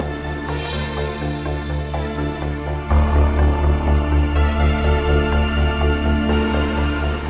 beneran mau ninggalin gue